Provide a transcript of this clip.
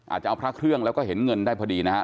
จะเอาพระเครื่องแล้วก็เห็นเงินได้พอดีนะครับ